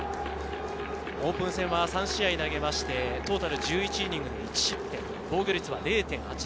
オープン戦は３試合投げまして、トータル１１イニング１失点、防御率は０．８２。